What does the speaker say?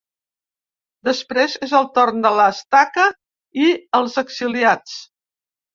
Després és el torn de la ‘Estaca’ i els exiliats.